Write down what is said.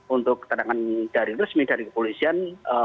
untuk keterangan dari resmi dari kepolisian